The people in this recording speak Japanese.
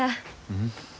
うん？